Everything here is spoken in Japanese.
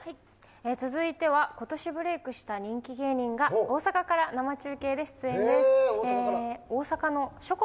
続いては、ことしブレイクした人気芸人が大阪から生中継で出演です。